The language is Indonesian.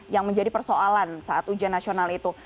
yang menjadi persoalan saat ujian nasional itu